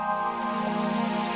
dia sudah keliru lah